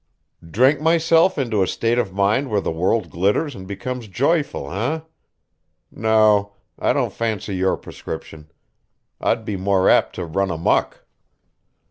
"Drink myself into a state of mind where the world glitters and becomes joyful, eh? No, I don't fancy your prescription. I'd be more apt to run amuck."